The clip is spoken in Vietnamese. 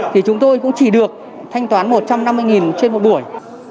thì chúng tôi cũng chỉ được thanh toán một trăm năm mươi trên một buổi